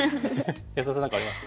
安田さん何かあります？